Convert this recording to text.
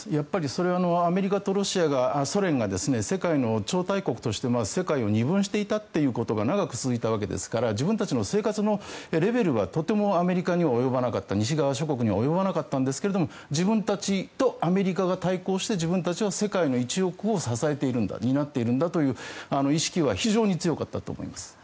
それはアメリカとソ連が世界の超大国として世界を二分していたということが長く続いたわけですから自分たちの生活のレベルはとてもアメリカには及ばなかった西側諸国には及ばなかったんですが自分たちとアメリカが対抗して自分たちは世界の一翼を支えているんだ担っているんだという意識は非常に強かったと思います。